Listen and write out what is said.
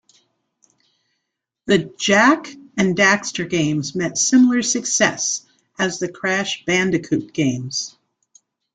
The "Jak and Daxter" games met similar success as the "Crash Bandicoot" games.